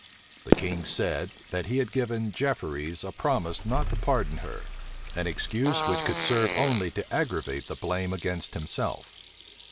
The king said, that he had given Jefferies a promise not to pardon her; an excuse which could serve only to aggravate the blame against himself.